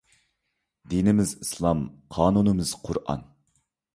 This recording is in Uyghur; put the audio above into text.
دىنىمىز ئىسلام قانۇنىمىز قۇرئان